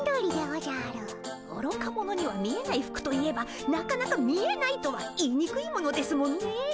おろか者には見えない服と言えばなかなか見えないとは言いにくいものですもんね。